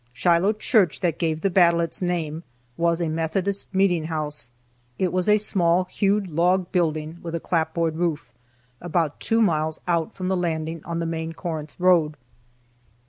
Shiloh church, that gave the battle its name, was a Methodist meeting house. It was a small, hewed log building with a clapboard roof, about two miles out from the landing on the main Corinth road.